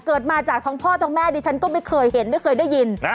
เกิดมาจากทั้งพ่อทั้งแม่ดิฉันก็ไม่เคยเห็นไม่เคยได้ยิน